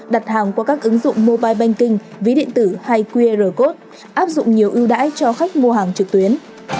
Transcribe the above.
đặt hàng qua các ứng dụng mobile banking ví điện tử hay qr code áp dụng nhiều ưu đãi cho khách mua hàng trực tuyến